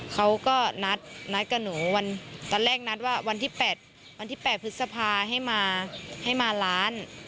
เขาก็นัดกับหนูตอนแรกนัดว่าวันที่๘พฤษภาให้มาร้าน